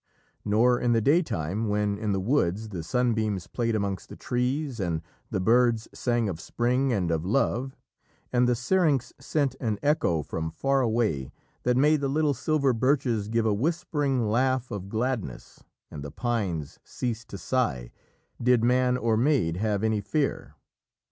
Nor in the daytime, when in the woods the sunbeams played amongst the trees and the birds sang of Spring and of love, and the syrinx sent an echo from far away that made the little silver birches give a whispering laugh of gladness and the pines cease to sigh, did man or maid have any fear.